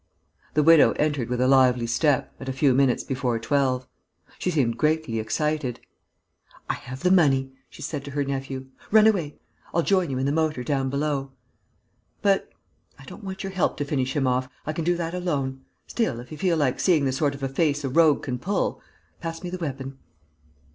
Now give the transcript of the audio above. The widow entered with a lively step, at a few minutes before twelve. She seemed greatly excited: "I have the money," she said to her nephew. "Run away. I'll join you in the motor down below." "But...." "I don't want your help to finish him off. I can do that alone. Still, if you feel like seeing the sort of a face a rogue can pull.... Pass me the weapon."